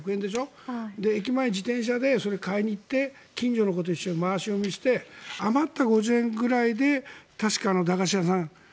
それを駅前に自転車で買いに行って近所の子と回し読みして余った５０円くらい確か駄菓子屋さん